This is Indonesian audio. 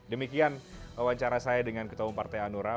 demikian wawancara saya dengan ketua umum partai hanura